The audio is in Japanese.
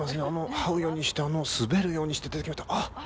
はうようにして、滑るようにして出てきました。